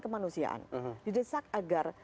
kemanusiaan didesak agar